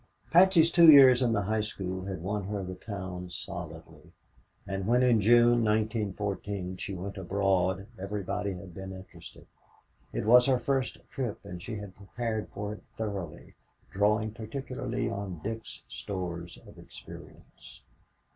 Patsy's two years in the high school had won her the town solidly. And when in June, 1914, she went abroad everybody had been interested. It was her first trip and she had prepared for it thoroughly, drawing particularly on Dick's stores of experience.